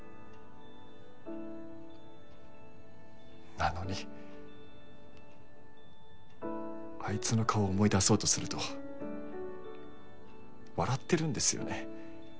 なのにあいつの顔思い出そうとすると笑ってるんですよね。